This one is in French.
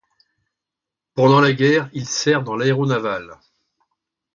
Pendant la guerre, il sert dans l'Aéronavale.